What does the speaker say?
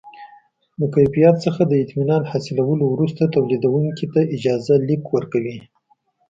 د کیفیت څخه د اطمینان حاصلولو وروسته تولیدوونکي ته اجازه لیک ورکوي.